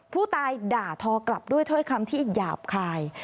ผู้ตายด่าทอกลับด้วยถ้อยคำที่หยาบคาย